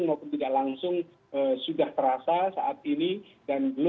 motivasi gonna award akan lengkap ini dibso dua